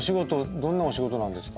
どんなお仕事なんですか？